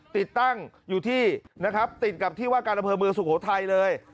ติดตั้งอยู่ที่นะครับติดกับที่ว่าการอำเภอเมืองสุโขทัยเลย